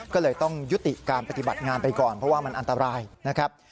ก็เลยต้องยุติการปฏิบัติงานไปก่อนเพราะว่ามันอันตรายนะครับ